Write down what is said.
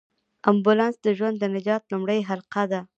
امبولانس د ژوند د نجات لومړۍ حلقه ده.